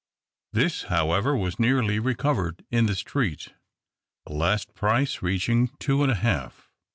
This, however, was nearly recovered in the street, the last price reaching two and a half."